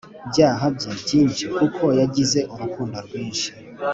Byaha bye byinshi kuko yagize urukundo rwinshi